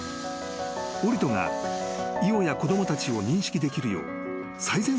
［オリトがイオや子供たちを認識できるよう最善策を考えた］